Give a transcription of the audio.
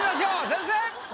先生！